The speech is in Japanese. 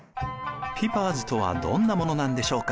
ピパーズとはどんなものなんでしょうか。